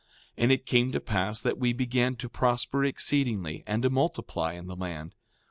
5:13 And it came to pass that we began to prosper exceedingly, and to multiply in the land.